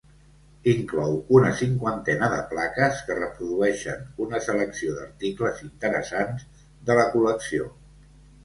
Inclou una cinquantena de plaques, que reprodueixen una selecció d'articles interessants de la col·lecció.